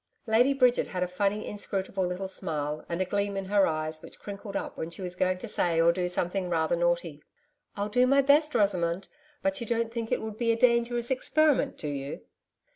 Lady Bridget had a funny inscrutable little smile and a gleam in her eyes which crinkled up when she was going to say or do something rather naughty. 'I'll do my best, Rosamond. But you don't think it would be a dangerous experiment, do you?'